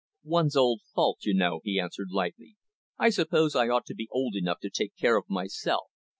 "One's own fault, you know," he answered lightly. "I suppose I ought to be old enough to take care of myself.